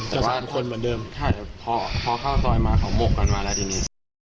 แต่ว่าพอเข้าซอยมาเขามกกันมาแล้วทีนี้